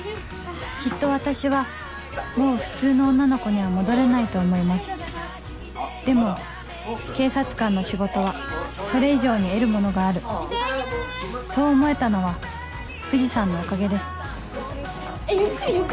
きっと私はもう普通の女の子には戻れないと思いますでも警察官の仕事はそれ以上に得るものがあるそう思えたのは藤さんのおかげですえっゆっくりゆっくり。